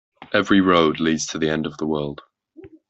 Every road leads to the end of the world.